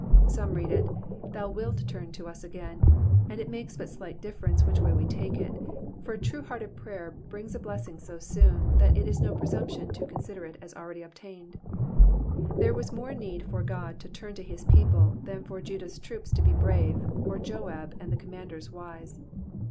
Some read it, *' Thou wilt turn to us again,'* and it makes but slight difference which way we take it, for a true hearted prayer brin^ a blessing so soon that it is no presumption to consider it as already obtained. There was more need for God to turn to his people than for Jndah's troops to be brave, or Joab and the commanders wise.